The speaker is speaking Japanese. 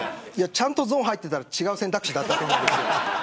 ちゃんとゾーンに入っていたら違う選択肢だったと思います。